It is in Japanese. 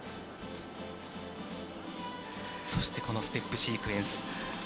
そしてステップシークエンス。